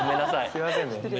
すいませんね。